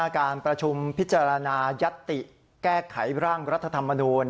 การประชุมพิจารณายัตติแก้ไขร่างรัฐธรรมนูล